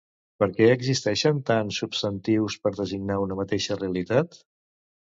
Per què existeixen tants substantius per designar una mateixa realitat?